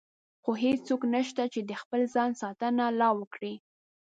خو هېڅوک نشته چې د خپل ځان ساتنه لا وکړي.